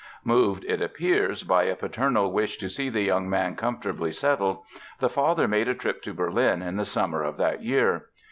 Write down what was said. Moved, it appears, by a paternal wish to see the young man comfortably settled, the father made a trip to Berlin in the summer of that year.